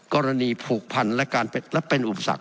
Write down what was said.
กรณีผูกพันและเป็นอุปสรรค